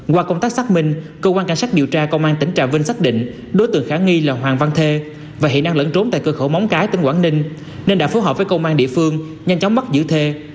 qua công tác xác minh cơ quan cảnh sát điều tra công an tỉnh trà vinh xác định đối tượng khả nghi là hoàng văn thê và hiện đang lẫn trốn tại cơ khẩu móng cái tỉnh quảng ninh nên đã phối hợp với công an địa phương nhanh chóng bắt giữ thê